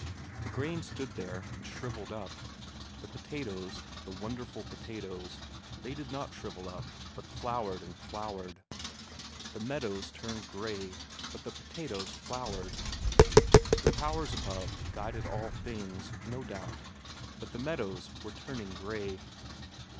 The corn stood there and shrivelled up; the potatoes the wonderful potatoes they did not shrivel up, but flowered and flowered. The meadows turned grey, but the potatoes flowered. The powers above guided all things, no doubt, but the meadows were turning grey.